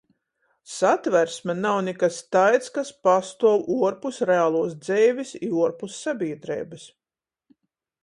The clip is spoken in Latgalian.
Satversme nav nikas taids, kas pastuov uorpus realuos dzeivis i uorpus sabīdreibys.